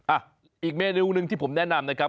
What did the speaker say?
อ่ะอีกเมนูหนึ่งที่ผมแนะนำนะครับ